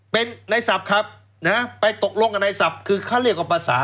เป็นในศัพท์ครับนะฮะไปตกลงกับในศัพท์คือเขาเรียกว่าภาษา